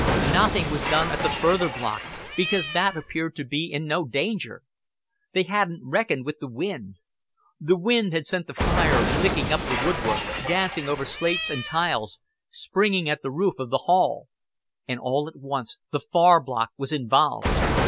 Nothing was done at the further block, because that appeared to be in no danger. They hadn't reckoned with the wind. The wind had sent the fire licking up the woodwork, dancing over slates and tiles, springing at the roof of the hall; and all at once the far block was involved.